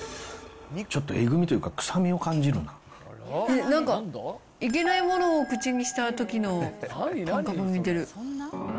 ちょっとえぐみというか、臭みをなんか、いけないものを口にしたときの感覚に似てる。